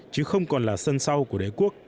chứ không còn là sân sau của đế quốc